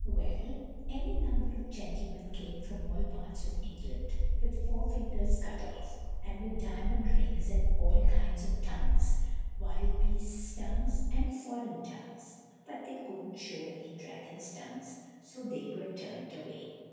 Well, any number of gentlemen came from all parts of England, with forefingers cut off, and with diamond rings and all kinds of tongues, wild beasts' tongues and foreign tongues. But they couldn't show any dragons' tongues, so they were turned away.